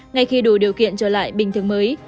ngay khi đủ điều kiện trở lại bình thường mới